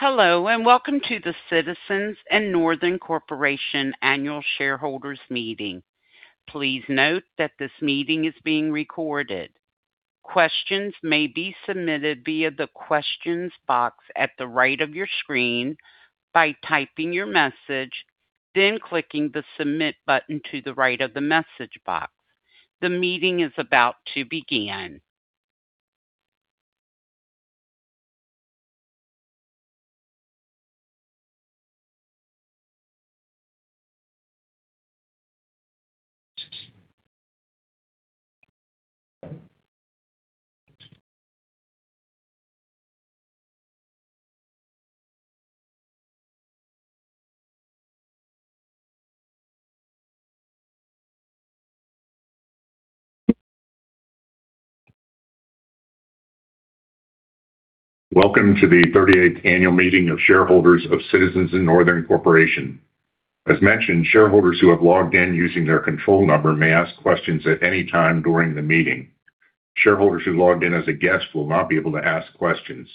Hello, and welcome to the Citizens & Northern Corporation Annual Shareholders Meeting. Please note that this meeting is being recorded. Questions may be submitted via the questions box at the right of your screen by typing your message, then clicking the submit button to the right of the message box. The meeting is about to begin. Welcome to the 38th annual meeting of shareholders of Citizens & Northern Corporation. As mentioned, shareholders who have logged in using their control number may ask questions at any time during the meeting. Shareholders who logged in as a guest will not be able to ask questions.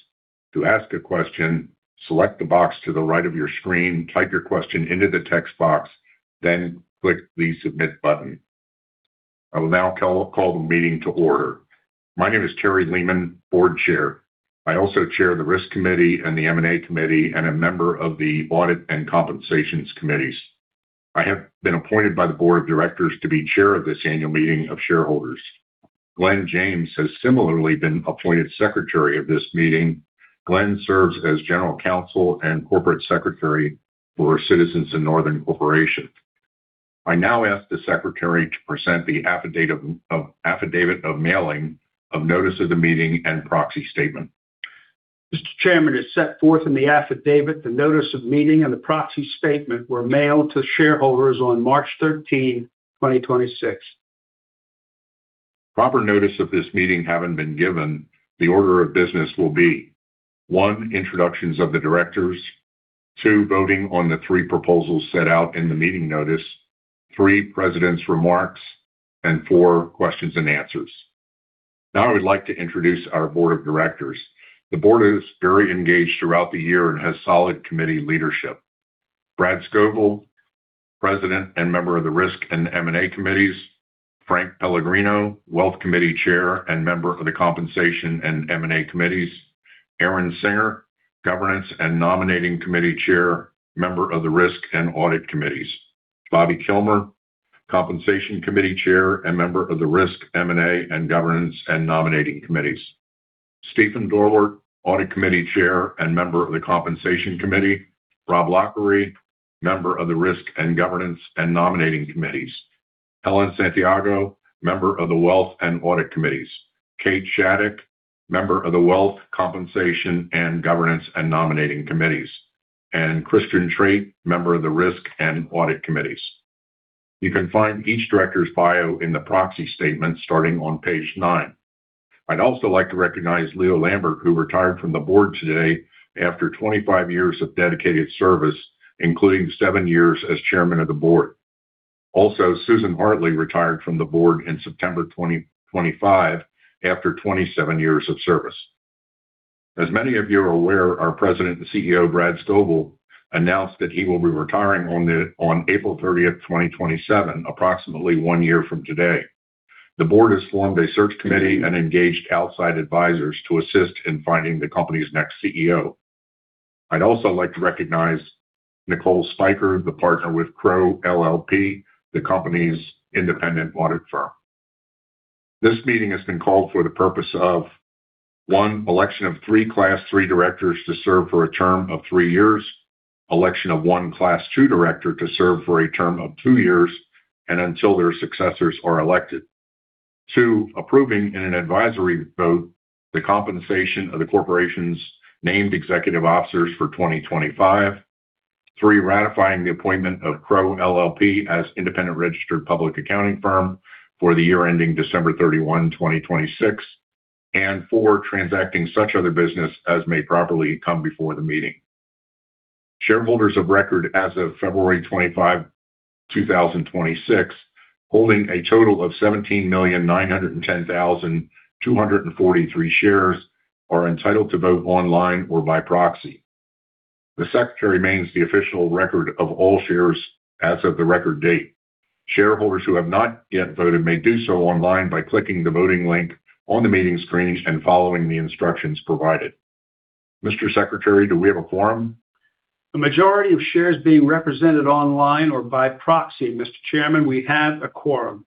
To ask a question, select the box to the right of your screen, type your question into the text box, then click the Submit button. I will now call the meeting to order. My name is Terry Leaman, Board Chair. I also chair the Risk Committee and the M&A Committee, and a member of the Audit and Compensation Committees. I have been appointed by the board of directors to be Chair of this annual meeting of shareholders. Glenn James has similarly been appointed Secretary of this meeting. Glenn serves as general counsel and corporate secretary for Citizens & Northern Corporation. I now ask the secretary to present the affidavit of mailing of notice of the meeting and proxy statement. Mr. Chairman has set forth in the affidavit the notice of meeting and the proxy statement were mailed to shareholders on March 13, 2026. Proper notice of this meeting having been given, the order of business will be one, introductions of the directors, two, voting on the three proposals set out in the meeting notice, three, president's remarks, and four, questions and answers. Now I would like to introduce our board of directors. The board is very engaged throughout the year and has solid committee leadership. Brad Scovill, President and member of the Risk and M&A Committees. Frank Pellegrino, Wealth Committee Chair, and member of the Compensation and M&A Committees. Aaron Singer, Governance and Nominating Committee Chair, member of the Risk and Audit Committees. Bobbi Kilmer, Compensation Committee Chair and member of the Risk, M&A, and Governance and Nominating Committees. Stephen Dorwart, Audit Committee Chair and member of the Compensation Committee. Rob Loughery, member of the Risk and Governance and Nominating Committees. Helen Santiago, member of the Wealth and Audit Committees. Kate Shattuck, member of the Wealth, Compensation, and Governance and Nominating Committees. Christian Trate, member of the Risk and Audit Committees. You can find each director's bio in the proxy statement starting on page nine. I'd also like to recognize Leo Lambert, who retired from the board today after 25 years of dedicated service, including seven years as Chairman of the Board. Susan Hartley retired from the board in September 2025 after 27 years of service. As many of you are aware, our President and CEO, Brad Scovill, announced that he will be retiring on April 30, 2027, approximately one year from today. The board has formed a search committee and engaged outside advisors to assist in finding the company's next CEO. I'd also like to recognize Nicole Spiker, the partner with Crowe LLP, the company's independent audit firm. This meeting has been called for the purpose of one, election of three Class III directors to serve for a term of three years, election of one Class II director to serve for a term of two years, and until their successors are elected. Two, approving in an advisory vote the compensation of the corporation's named executive officers for 2025. Three, ratifying the appointment of Crowe LLP as independent registered public accounting firm for the year ending December 31, 2026. Four, transacting such other business as may properly come before the meeting. Shareholders of record as of February 25, 2026, holding a total of 17,910,243 shares, are entitled to vote online or by proxy. The secretary maintains the official record of all shares as of the record date. Shareholders who have not yet voted may do so online by clicking the voting link on the meeting screens and following the instructions provided. Mr. Secretary, do we have a quorum? The majority of shares being represented online or by proxy, Mr. Chairman, we have a quorum.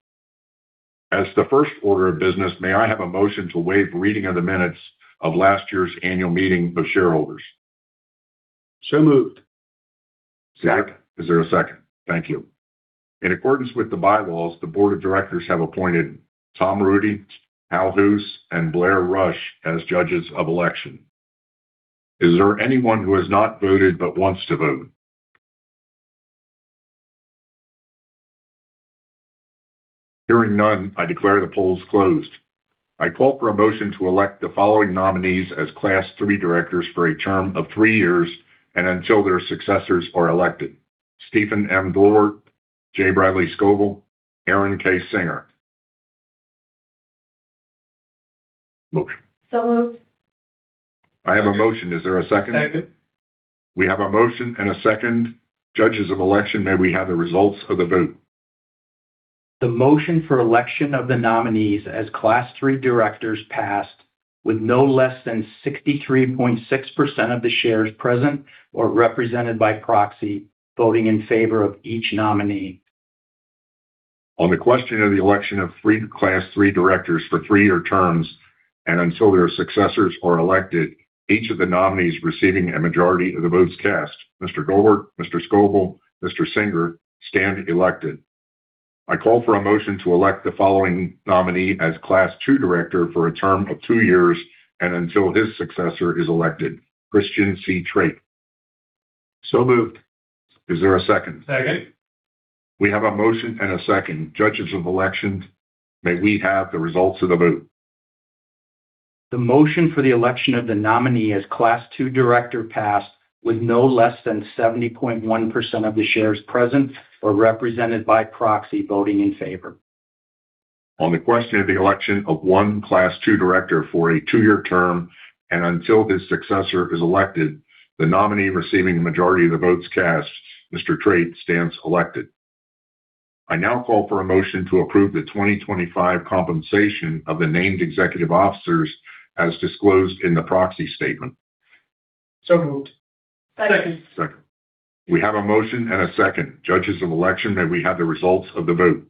As the first order of business, may I have a motion to waive reading of the minutes of last year's annual meeting of shareholders? Moved. Is there a second? Thank you. In accordance with the bylaws, the board of directors have appointed Tom Rudy, Al Hoos, and Blair Rush as judges of election. Is there anyone who has not voted but wants to vote? Hearing none, I declare the polls closed. I call for a motion to elect the following nominees as Class III directors for a term of three years and until their successors are elected. Stephen M. Dorwart, J. Bradley Scovill, Aaron K. Singer. Moved. I have a motion. Is there a second? Second. We have a motion and a second. Judges of election, may we have the results of the vote? The motion for election of the nominees as Class III directors passed with no less than 63.6% of the shares present or represented by proxy voting in favor of each nominee. On the question of the election of three Class III directors for three-year terms, and until their successors are elected, each of the nominees receiving a majority of the votes cast, Mr. Dorwart, Mr. Scovill, Mr. Singer stand elected. I call for a motion to elect the following nominee as Class II director for a term of two years and until his successor is elected, Christian C. Trate. Moved. Is there a second? Second. We have a motion and a second. Judges of elections, may we have the results of the vote? The motion for the election of the nominee as Class II director passed with no less than 70.1% of the shares present or represented by proxy voting in favor. On the question of the election of one Class II director for a two-year term and until his successor is elected, the nominee receiving the majority of the votes cast, Mr. Trate, stands elected. I now call for a motion to approve the 2025 compensation of the named executive officers as disclosed in the proxy statement. Moved. Second. Second. We have a motion and a second. Judges of election, may we have the results of the vote?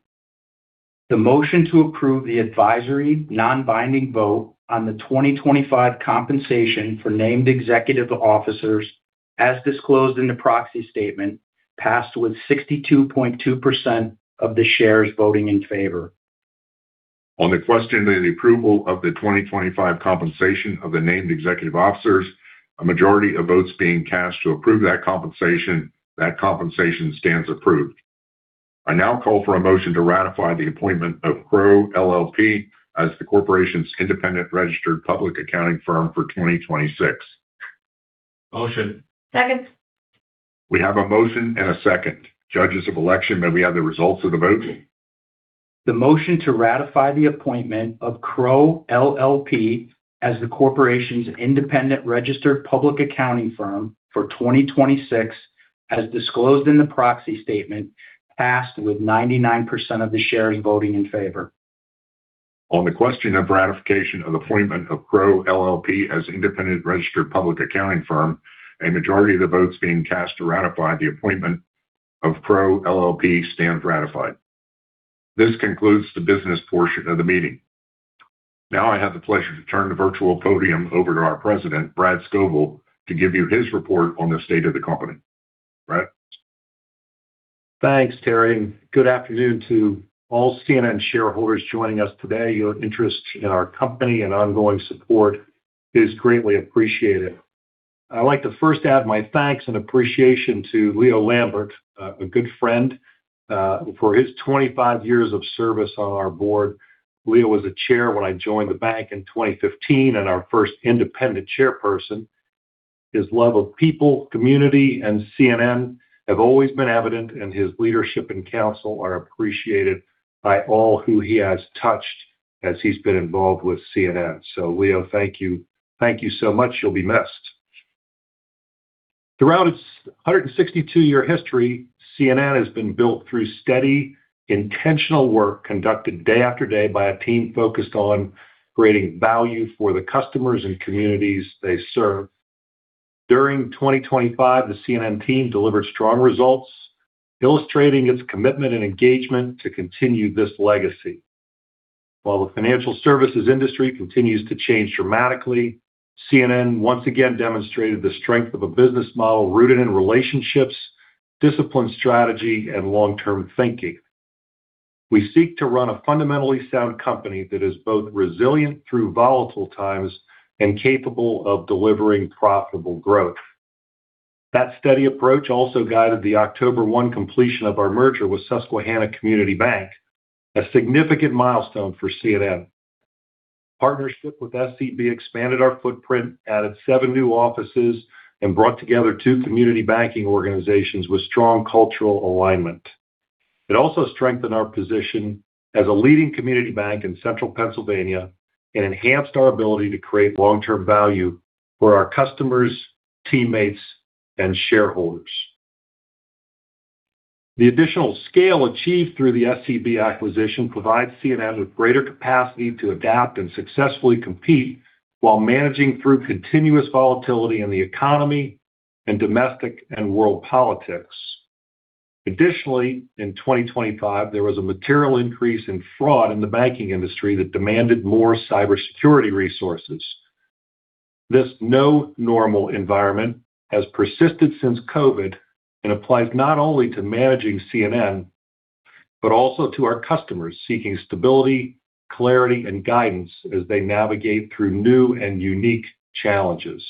The motion to approve the advisory non-binding vote on the 2025 compensation for named executive officers, as disclosed in the proxy statement, passed with 62.2% of the shares voting in favor. On the question of the approval of the 2025 compensation of the Named Executive Officers, a majority of votes being cast to approve that compensation, that compensation stands approved. I now call for a motion to ratify the appointment of Crowe LLP as the corporation's independent registered public accounting firm for 2026. Motion. Second. We have a motion and a second. Judges of election, may we have the results of the vote? The motion to ratify the appointment of Crowe LLP as the corporation's independent registered public accounting firm for 2026, as disclosed in the proxy statement, passed with 99% of the shares voting in favor. On the question of ratification of appointment of Crowe LLP as independent registered public accounting firm, a majority of the votes being cast to ratify the appointment of Crowe LLP stand ratified. This concludes the business portion of the meeting. Now I have the pleasure to turn the virtual podium over to our President, Brad Scovill, to give you his report on the state of the company. Brad. Thanks, Terry, and good afternoon to all C&N shareholders joining us today. Your interest in our company and ongoing support is greatly appreciated. I'd like to first add my thanks and appreciation to Leo Lambert, a good friend, for his 25 years of service on our board. Leo was the Chair when I joined the bank in 2015, and our first independent Chairperson. His love of people, community, and C&N have always been evident, and his leadership and counsel are appreciated by all who he has touched as he's been involved with C&N. Leo, thank you. Thank you so much. You'll be missed. Throughout its 162-year history, C&N has been built through steady, intentional work conducted day after day by a team focused on creating value for the customers and communities they serve. During 2025, the C&N team delivered strong results, illustrating its commitment and engagement to continue this legacy. While the financial services industry continues to change dramatically, C&N once again demonstrated the strength of a business model rooted in relationships, disciplined strategy and long-term thinking. We seek to run a fundamentally sound company that is both resilient through volatile times and capable of delivering profitable growth. That steady approach also guided the October 1 completion of our merger with Susquehanna Community Bank, a significant milestone for C&N. Partnership with SCB expanded our footprint, added seven new offices, and brought together two community banking organizations with strong cultural alignment. It also strengthened our position as a leading community bank in Central Pennsylvania and enhanced our ability to create long-term value for our customers, teammates, and shareholders. The additional scale achieved through the SCB acquisition provides C&N with greater capacity to adapt and successfully compete while managing through continuous volatility in the economy and domestic and world politics. Additionally, in 2025, there was a material increase in fraud in the banking industry that demanded more cybersecurity resources. This now normal environment has persisted since COVID and applies not only to managing C&N, but also to our customers seeking stability, clarity and guidance as they navigate through new and unique challenges.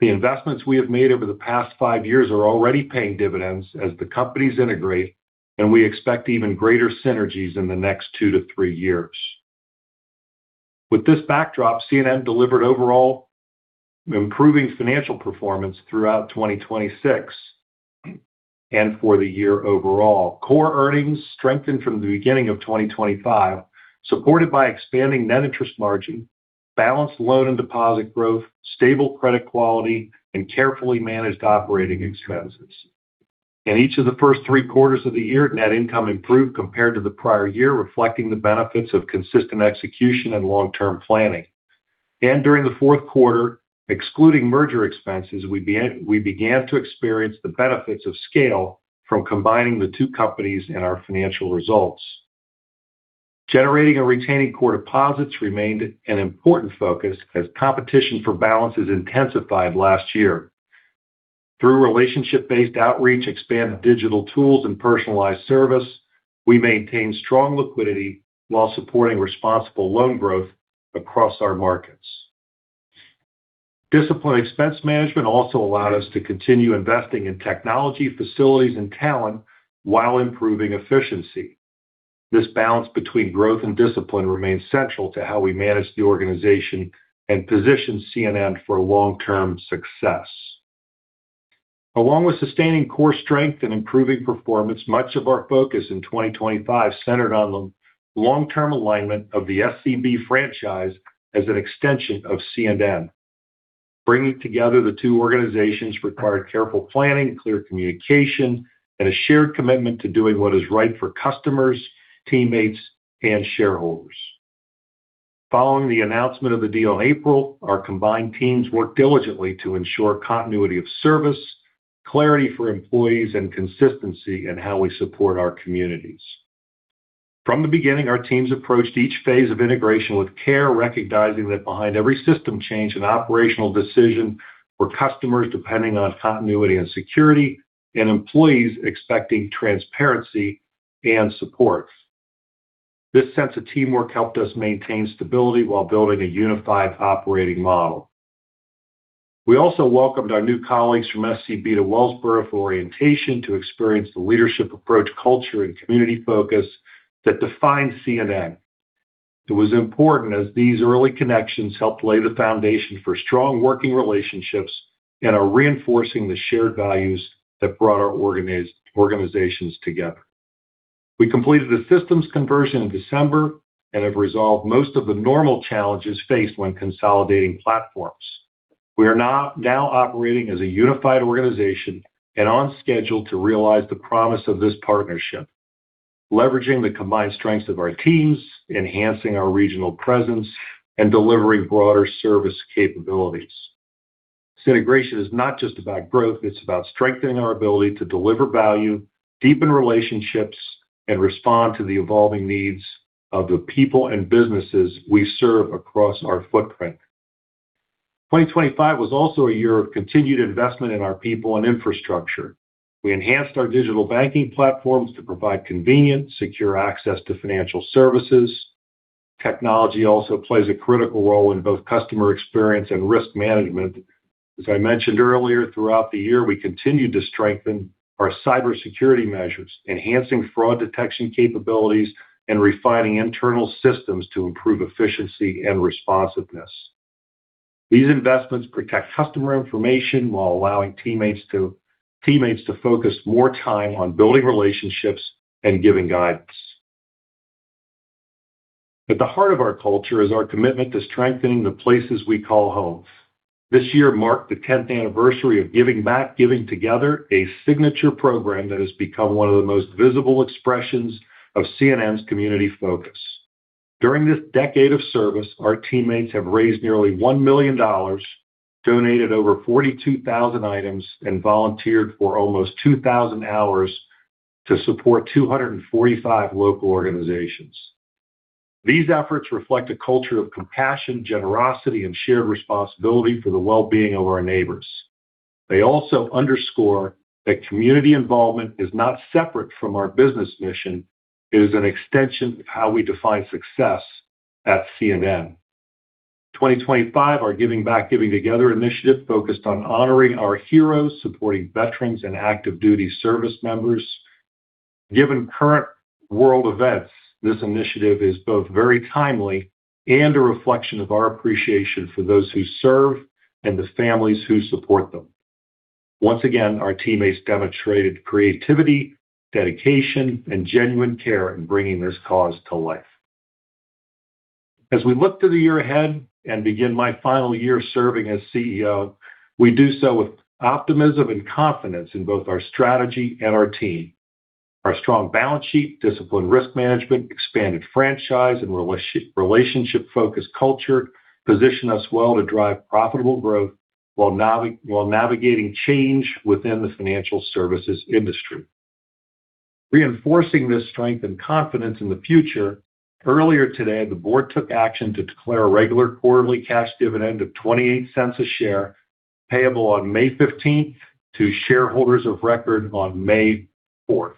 The investments we have made over the past five years are already paying dividends as the companies integrate, and we expect even greater synergies in the next two to three years. With this backdrop, C&N delivered overall improving financial performance throughout 2026 and for the year overall. Core earnings strengthened from the beginning of 2025, supported by expanding net interest margin, balanced loan and deposit growth, stable credit quality, and carefully managed operating expenses. In each of the first three quarters of the year, net income improved compared to the prior year, reflecting the benefits of consistent execution and long-term planning. During the fourth quarter, excluding merger expenses, we began to experience the benefits of scale from combining the two companies in our financial results. Generating and retaining core deposits remained an important focus as competition for balances intensified last year. Through relationship-based outreach, expanded digital tools, and personalized service, we maintained strong liquidity while supporting responsible loan growth across our markets. Disciplined expense management also allowed us to continue investing in technology, facilities, and talent while improving efficiency. This balance between growth and discipline remains central to how we manage the organization and position C&N for long-term success. Along with sustaining core strength and improving performance, much of our focus in 2025 centered on the long-term alignment of the SCB franchise as an extension of C&N. Bringing together the two organizations required careful planning, clear communication, and a shared commitment to doing what is right for customers, teammates, and shareholders. Following the announcement of the deal in April, our combined teams worked diligently to ensure continuity of service, clarity for employees, and consistency in how we support our communities. From the beginning, our teams approached each phase of integration with care, recognizing that behind every system change and operational decision were customers depending on continuity and security and employees expecting transparency and support. This sense of teamwork helped us maintain stability while building a unified operating model. We also welcomed our new colleagues from SCB to Wellsboro for orientation to experience the leadership approach, culture, and community focus that defines C&N. It was important as these early connections helped lay the foundation for strong working relationships and are reinforcing the shared values that brought our organizations together. We completed the systems conversion in December and have resolved most of the normal challenges faced when consolidating platforms. We are now operating as a unified organization and on schedule to realize the promise of this partnership, leveraging the combined strengths of our teams, enhancing our regional presence, and delivering broader service capabilities. This integration is not just about growth. It's about strengthening our ability to deliver value, deepen relationships, and respond to the evolving needs of the people and businesses we serve across our footprint. 2025 was also a year of continued investment in our people and infrastructure. We enhanced our digital banking platforms to provide convenient, secure access to financial services. Technology also plays a critical role in both customer experience and risk management. As I mentioned earlier, throughout the year, we continued to strengthen our cybersecurity measures, enhancing fraud detection capabilities, and refining internal systems to improve efficiency and responsiveness. These investments protect customer information while allowing teammates to focus more time on building relationships and giving guidance. At the heart of our culture is our commitment to strengthening the places we call home. This year marked the 10th anniversary of Giving Back, Giving Together, a signature program that has become one of the most visible expressions of C&N's community focus. During this decade of service, our teammates have raised nearly $1 million, donated over 42,000 items, and volunteered for almost 2,000 hours to support 245 local organizations. These efforts reflect a culture of compassion, generosity, and shared responsibility for the well-being of our neighbors. They also underscore that community involvement is not separate from our business mission. It is an extension of how we define success at C&N. In 2025, our Giving Back, Giving Together initiative focused on honoring our heroes, supporting veterans, and active duty service members. Given current world events, this initiative is both very timely and a reflection of our appreciation for those who serve and the families who support them. Once again, our teammates demonstrated creativity, dedication, and genuine care in bringing this cause to life. As we look to the year ahead and begin my final year serving as CEO, we do so with optimism and confidence in both our strategy and our team. Our strong balance sheet, disciplined risk management, expanded franchise, and relationship-focused culture position us well to drive profitable growth while navigating change within the financial services industry. Reinforcing this strength and confidence in the future, earlier today, the board took action to declare a regular quarterly cash dividend of $0.28 a share, payable on May 15th to shareholders of record on May 4th.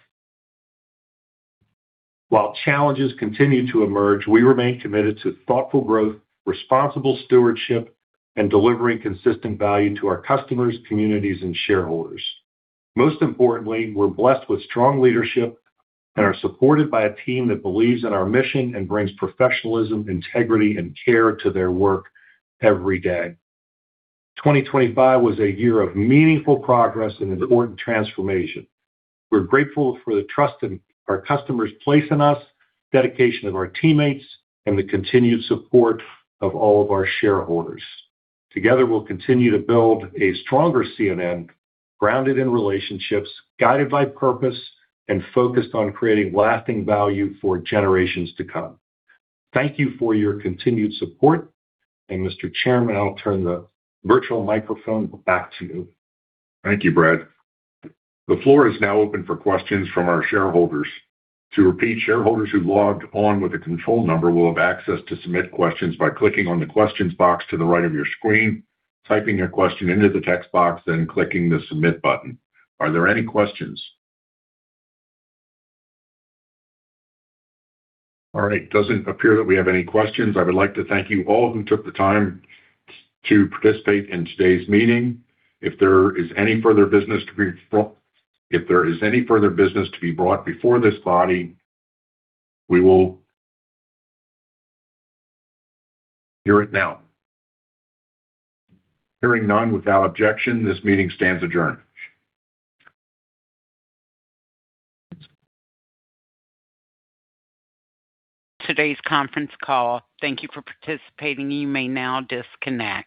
While challenges continue to emerge, we remain committed to thoughtful growth, responsible stewardship, and delivering consistent value to our customers, communities, and shareholders. Most importantly, we're blessed with strong leadership and are supported by a team that believes in our mission and brings professionalism, integrity, and care to their work every day. 2025 was a year of meaningful progress and important transformation. We're grateful for the trust our customers place in us, dedication of our teammates, and the continued support of all of our shareholders. Together, we'll continue to build a stronger C&N grounded in relationships, guided by purpose, and focused on creating lasting value for generations to come. Thank you for your continued support. Mr. Chairman, I'll turn the virtual microphone back to you. Thank you, Brad. The floor is now open for questions from our shareholders. To repeat, shareholders who logged on with a control number will have access to submit questions by clicking on the questions box to the right of your screen, typing your question into the text box, then clicking the Submit button. Are there any questions? All right. Doesn't appear that we have any questions. I would like to thank you all who took the time to participate in today's meeting. If there is any further business to be brought before this body, we will hear it now. Hearing none, without objection, this meeting stands adjourned. Today's conference call. Thank you for participating. You may now disconnect.